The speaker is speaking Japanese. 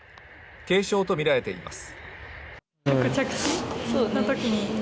軽傷とみられています。